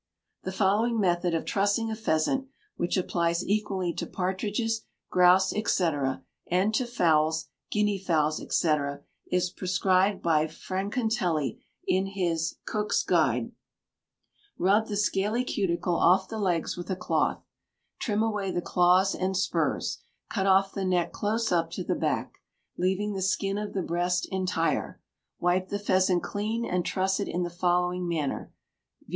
The following method of trussing a pheasant which applies equally to partridges, grouse, &c., and to fowls, guineafowls, &c. is prescribed by Francatelli in his "Cook's Guide": "Rub the scaly cuticle off the legs with a cloth; trim away the claws and spurs; cut off the neck close up to the back, leaving the skin of the breast entire; wipe the pheasant clean and truss it in the following manner, viz.